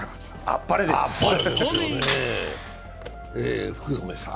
あっぱれですね。